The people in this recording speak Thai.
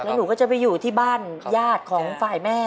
แล้วหนูก็จะไปอยู่ที่บ้านญาติของฝ่ายแม่